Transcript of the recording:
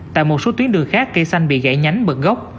tại một số tuyến đường khác cây xanh bị gãy nhánh bật gốc